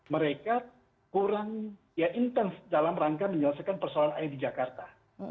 mereka kurang ya intens dalam rangka menyelesaikan persoalan air di jakarta